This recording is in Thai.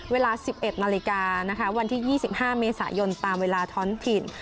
เวลา๑๑นาฬิกานะคะวันที่๒๕เมษายนตามเวลาท้อนถิ่น